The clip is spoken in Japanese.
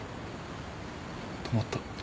止まった。